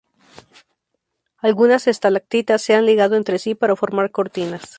Algunas estalactitas se han ligado entre sí para formar cortinas.